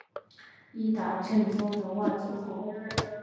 伊达政宗的外祖父。